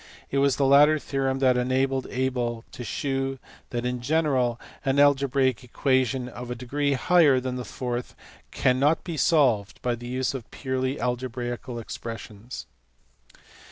It was the latter theorem that enabled Abel to shew that in general an algebraic equation of a degree higher than the fourth cannot be solved by the use of purely algebraical expressions.